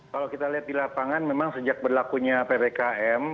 kalau kita lihat di lapangan memang sejak berlakunya ppkm kita sudah melakukan penyekatan